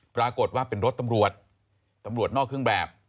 ปรากฏว่าเป็นรถตำรวจตำรวจนอกเครื่องแบบ